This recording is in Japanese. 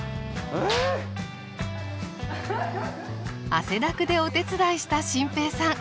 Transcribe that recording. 汗だくでお手伝いした心平さん。